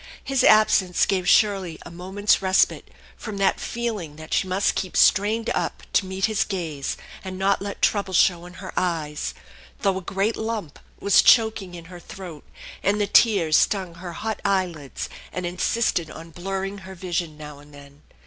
His absence gave Shirley a moment's respite from that feeling that she must keep strained up to meet bis gaze and not let trouble show in her eyes, though a great lump was choking in her throat and the tears stung her hot eyelids and insisted on blurring her visior now and then.